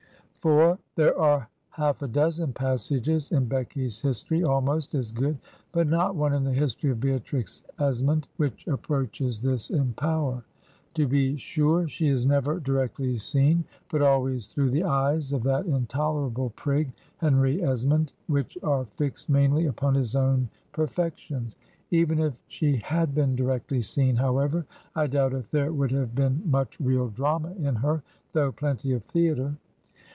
IV There are half a dozen passages in Becky's history almost as good, but not one in the history of Beatrix Esmond which approaches this in power. To be sure she is never directly seen, but always through the eyes of that intolerable prig Henry Esmond, which are fixed mainly upon his own perfections. Even if she had been directly seen, however, I doubt if there would have been much real drama in her, though plenty of theatre.